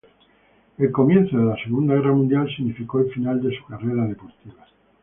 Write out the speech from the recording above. El comienzo de la Segunda Guerra Mundial significó el final de su carrera deportiva.